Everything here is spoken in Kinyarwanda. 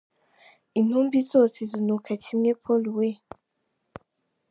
Intumbi zose zinuka kimwe Paul we !